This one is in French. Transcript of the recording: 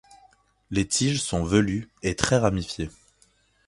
Les tiges sont velues et très ramifiées.